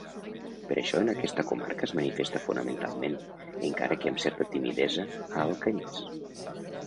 Per això en aquesta comarca es manifesta fonamentalment, encara que amb certa timidesa, a Alcanyís.